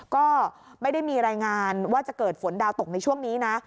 ก็ไม่ได้มีรายงานว่าจะเกิดฝนดาวตกในช่วงนี้นะ